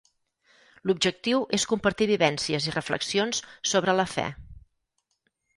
L'objectiu és compartir vivències i reflexions sobre la fe.